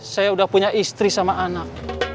saya udah punya istri sama anak